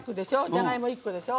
じゃがいも１個でしょ。